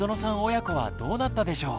親子はどうなったでしょう。